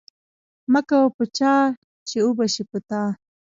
مکوه په چا چی اوبشی په تا